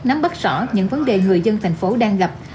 nắm bắt rõ những vấn đề người dân thành phố đang gặp